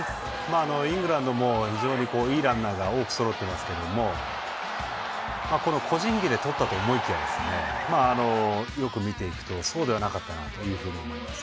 イングランドも非常にいいランナーが多くそろっていますけれども個人技で取ったと思いきやよく見ていくとそうではなかったなと思います。